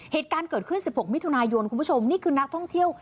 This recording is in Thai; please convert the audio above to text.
เหตุการณ์เกิดขึ้น๑๖มิถุนายนคุณผู้ชมนี่คือนักท่องเที่ยว